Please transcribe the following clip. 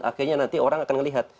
akhirnya nanti orang akan melihat